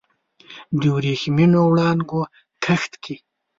د وریښمېو وړانګو کښت کې